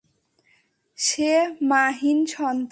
সে মা-হীন সন্তান।